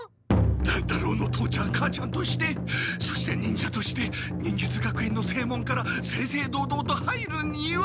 乱太郎の父ちゃん母ちゃんとしてそして忍者として忍術学園の正門からせいせいどうどうと入るには。